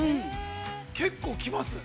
結構来ます。